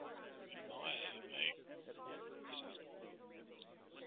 "Ah, You... you admire him, eh?" he said.